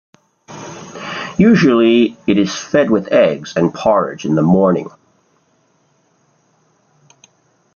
Usually it is fed with eggs and porridge in the morning.